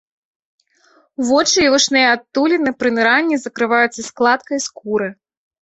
Вочы і вушныя адтуліны пры ныранні закрываюцца складкай скуры.